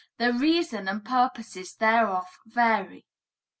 The reasons and purposes thereof vary.